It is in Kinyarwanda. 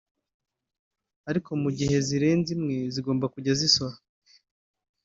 ariko mu gihe zirenze imwe zigomba kujya zisora